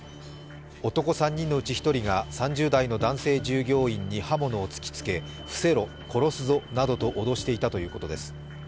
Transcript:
男３人のうち１人が３０代の男性従業員に刃物を突きつけ、伏せろ、殺すぞなどと脅していたということです。